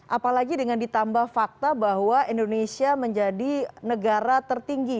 apalagi dengan ditambah fakta bahwa indonesia menjadi negara tertinggi